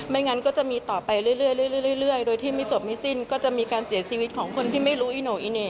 งั้นก็จะมีต่อไปเรื่อยโดยที่ไม่จบไม่สิ้นก็จะมีการเสียชีวิตของคนที่ไม่รู้อีโน่อีเหน่